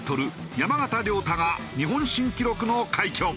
山縣亮太が日本新記録の快挙。